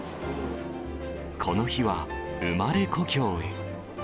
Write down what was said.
この日は、生まれ故郷へ。